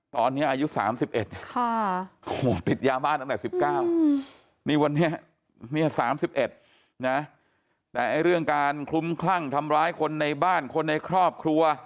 ตอนนี้อายุ๓๑ติดยาบ้านตั้งแต่๑๙นี่วันนี้๓๑นะแต่เรื่องการคลุ้มคลั่งทำร้ายคนในบ้านคนในครอบครัว